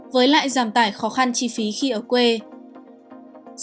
với lại giảm tải khó khăn chi tiết